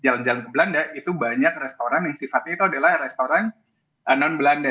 jalan jalan ke belanda itu banyak restoran yang sifatnya itu adalah restoran non belanda